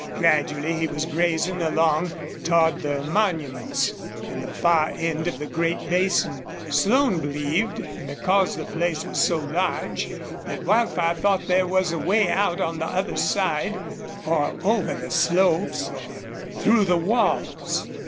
Gradually he was grazing along toward the monuments and the far end of the great basin. Slone believed, because the place was so large, that Wildfire thought there was a way out on the other side or over the slopes or through the walls.